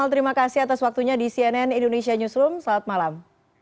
terima kasih atas waktunya di cnn indonesia newsroom selamat malam